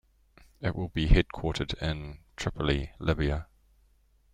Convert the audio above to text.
It will be headquartered in Tripoli, Libya.